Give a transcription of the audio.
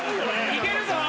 いけるぞ。